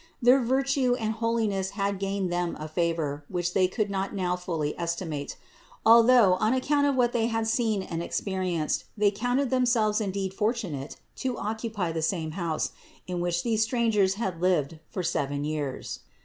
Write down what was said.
Their vir tue and holiness had gained them a favor which they could not now fully estimate; although, on account of what they had seen and experienced, they counted them selves indeed fortunate to occupy the same house, in which these Strangers had lived for seven years.